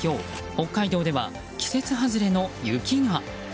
北海道では季節外れの雪が。